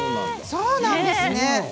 そうなんですね。